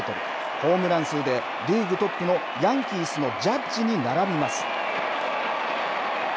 ホームラン数で、リーグトップのヤンキースのジャッジに並びます。